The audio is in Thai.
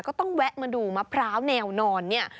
ก็ต้องแวะมาดูมะพร้าวแนวนอนเนี่ย